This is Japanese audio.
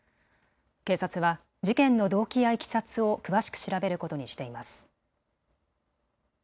警察は事件の動機やいきさつを詳しく調べることにしています。